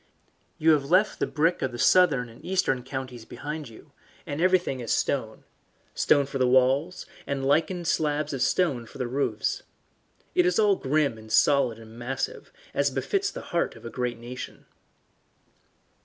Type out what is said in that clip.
You have left the brick of the southern and eastern counties behind you, and everything is stone stone for the walls, and lichened slabs of stone for the roofs. It is all grim and solid and massive, as befits the heart of a great nation.